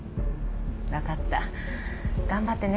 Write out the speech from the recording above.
分かった頑張ってね。